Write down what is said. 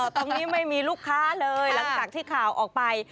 ตรงนี้ไม่มีลูกค้าเลยหลังจากที่ข่าวออกไป